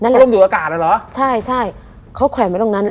พัดลมอยู่อากาศอ่ะหรอใช่เขาแขวนไว้ตรงนั้น